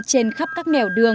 trên khắp các nẻo đường